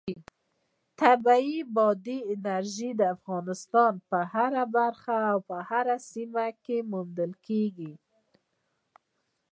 طبیعي بادي انرژي د افغانستان په هره برخه او هره سیمه کې موندل کېږي.